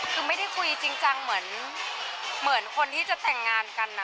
คือไม่ได้คุยจริงจังเหมือนคนที่จะแต่งงานกันนะ